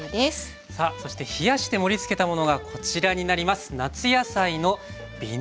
さあそして冷やして盛りつけたものがこちらになります。